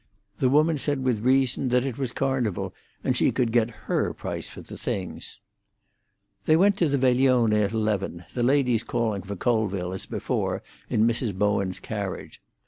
The woman said with reason that it was Carnival, and she could get her price for the things. They went to the veglione at eleven, the ladies calling for Colville, as before, in Mrs. Bowen's carriage.